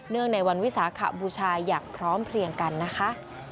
ในวันวิสาขบูชาอย่างพร้อมเพลียงกันนะคะ